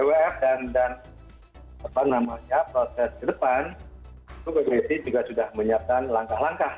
nah ini bws dan proses ke depan itu juga sudah menyiapkan langkah langkah